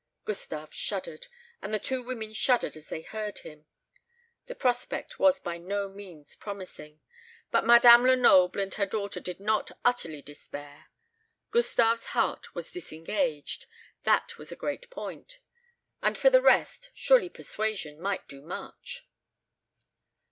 Ah, bah!" Gustave shuddered, and the two women shuddered as they heard him. The prospect was by no means promising; but Madame Lenoble and her daughter did not utterly despair. Gustave's heart was disengaged. That was a great point; and for the rest, surely persuasion might do much.